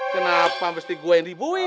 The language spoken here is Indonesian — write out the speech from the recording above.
kenapa mesti gue yang dibui